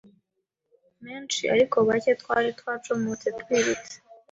menshi ariko bacye twari twacomotse twirutse